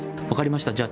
分かりました。